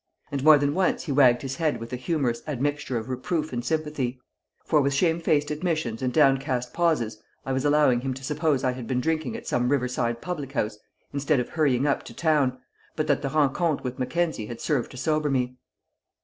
And more than once he wagged his head with a humorous admixture of reproof and sympathy; for with shamefaced admissions and downcast pauses I was allowing him to suppose I had been drinking at some riverside public house instead of hurrying up to town, but that the rencontre with Mackenzie had served to sober me.